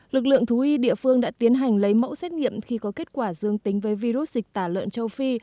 lực lượng thú y địa phương đã tiến hành lấy mẫu xét nghiệm khi có kết quả dương tính với virus dịch tả lợn châu phi